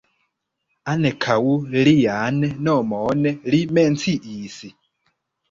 Ankaŭ lian nomon li menciis.